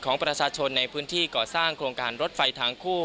ของประชาชนในพื้นที่ก่อสร้างโครงการรถไฟทางคู่